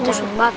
betul betul betul